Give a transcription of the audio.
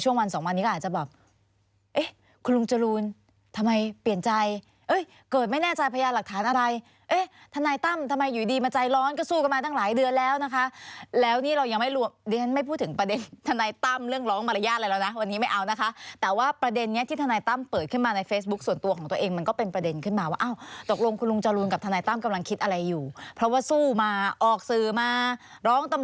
หากฐานอะไรเอ๊ะทนายตั้มทำไมอยู่ดีมันใจร้อนก็สู้กันมาตั้งหลายเดือนแล้วนะคะแล้วนี่เรายังไม่รู้เดี๋ยวฉันไม่พูดถึงประเด็นทนายตั้มเรื่องร้องมารยาทอะไรแล้วนะวันนี้ไม่เอานะคะแต่ว่าประเด็นนี้ที่ทนายตั้มเปิดขึ้นมาในเฟซบุ๊กส่วนตัวของตัวเองมันก็เป็นประเด็นขึ้นมาว่าอ้าวตกลงคุณลุงจรูลกับทนายตั้มกำ